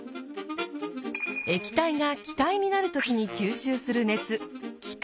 液体が気体になる時に吸収する熱